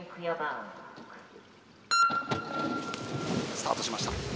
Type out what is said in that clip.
スタートしました。